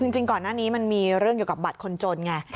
จริงก่อนหน้านี้มันมีเรื่องเกี่ยวกับบัตรคนจนไง